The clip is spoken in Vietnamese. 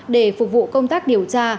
để phục vụ công tác điều tra